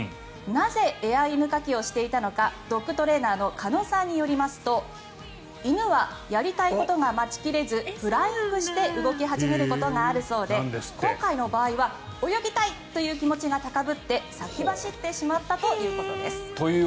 なぜ、エア犬かきをしていたのかドッグトレーナーの鹿野さんによりますと犬はやりたいことが待ち切れずフライングして動き始めることがあるそうで今回の場合は泳ぎたいという気持ちが高ぶって先走ってしまったということです。